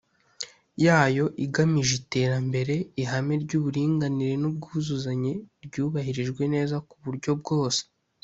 yayo igamije iterambere ihame ry uburinganire n ubwuzuzanye ryubahirijwe neza ku buryo bwose